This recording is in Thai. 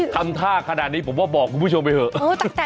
ทำท่าขนาดนี้ผมว่าบอกคุณผู้ชมไปเถอะ